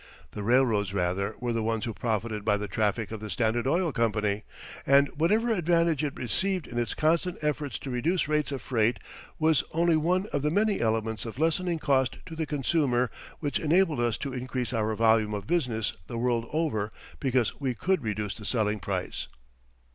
The railroads, rather, were the ones who profited by the traffic of the Standard Oil Company, and whatever advantage it received in its constant efforts to reduce rates of freight was only one of the many elements of lessening cost to the consumer which enabled us to increase our volume of business the world over because we could reduce the selling price.